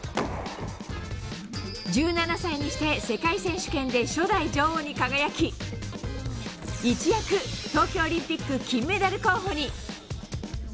１７歳にして世界選手権で初代女王に輝き一躍、東京オリンピック金メダル候補に。